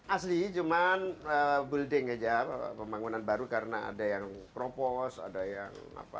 asli cuman building aja pembangunan baru karena ada yang propos ada yang apa